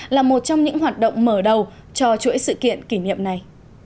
là một trong những hoạt động mở đầu cho chuỗi sự kiện kỷ niệm này